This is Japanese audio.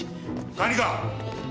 管理官！